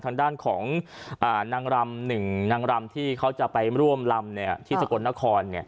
ทางด้านของนางรำหนึ่งนางรำที่เขาจะไปร่วมลำที่สกลนคร